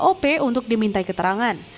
op untuk dimintai keterangan